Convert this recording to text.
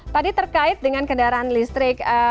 tadi terkait dengan kendaraan listrik